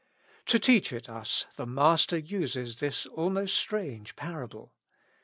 To teach it us, the Master uses this almost strange parable.